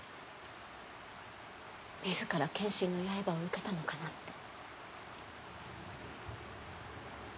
自ら剣心の刃を受けたのかなって。